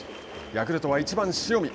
ヤクルトは１番、塩見。